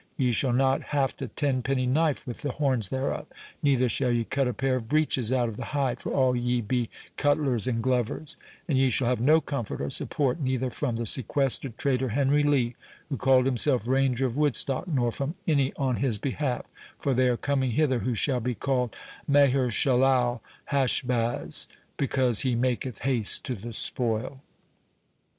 Ye shall not haft a ten penny knife with the horns thereof, neither shall ye cut a pair of breeches out of the hide, for all ye be cutlers and glovers; and ye shall have no comfort or support neither from the sequestered traitor Henry Lee, who called himself Ranger of Woodstock, nor from any on his behalf; for they are coming hither who shall be called Mahershalal hash baz, because he maketh haste to the spoil."